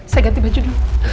saya ganti baju dulu